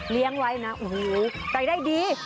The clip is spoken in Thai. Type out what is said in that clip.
เลี้ยงไว้นะแต่ได้ดี